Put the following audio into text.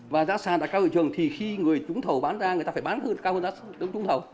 và giá sàn là cao hơn giá thị trường thì khi người trúng thầu bán ra người ta phải bán cao hơn giá trúng thầu